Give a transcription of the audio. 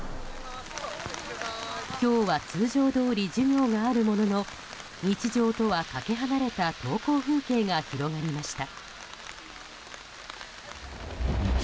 今日は、通常どおり授業があるものの日常とはかけ離れた登校風景が広がりました。